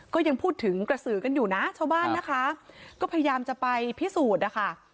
ก็ยังพูดถึงกระสือกันอยู่นะชาวบ้านนะคะก็พยายามจะไปพิสูจน์นะคะ